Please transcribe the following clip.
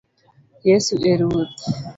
Yesu e Ruoth